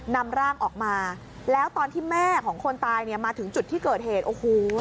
นำร่างออกมาแล้วตอนที่แม่ของคนตายเนี่ยมาถึงจุดที่เกิดเหตุโอ้โห